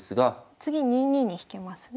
次２二に引けますね。